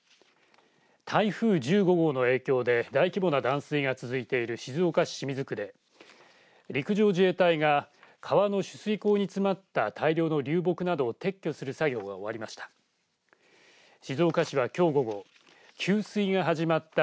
台風１５号の影響で大規模な断水が続いている静岡市清水区で陸上自衛隊が川の取水口に詰まった大量の流木などを撤去する作業が終わりました。